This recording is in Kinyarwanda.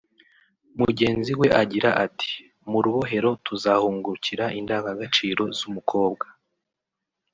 Mugenzi we agira ati “Mu rubohero tuzahungukira indangagaciro z’umukobwa